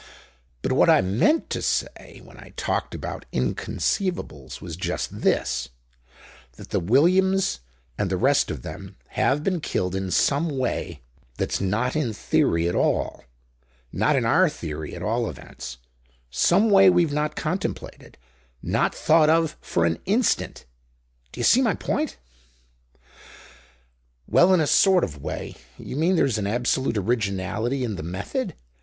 But what I meant to say when I talked about inconceivables was just this: that the Williams's and the rest of them have been killed in some way that's not in theory at all, not in our theory, at all events, some way we've not contemplated, not thought of for an instant. Do you see my point?" "Well, in a sort of way. You mean there's an absolute originality in the method?